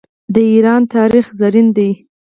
د ایران تاریخ زرین دی.